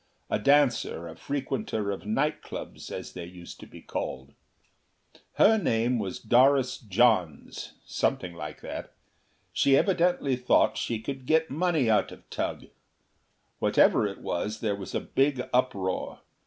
A dancer, a frequenter of night clubs, as they used to be called. Her name was Doris Johns something like that. She evidently thought she could get money out of Tugh. Whatever it was, there was a big uproar.